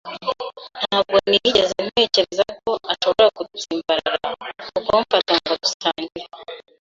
Ntabwo nigeze ntekereza ko ashobora gutsimbarara ku kumfata ngo dusangire.